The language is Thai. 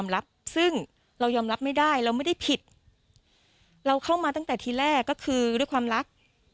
เราไม่ได้ผิดเราเข้ามาตั้งแต่ทีแรกก็คือด้วยความรัก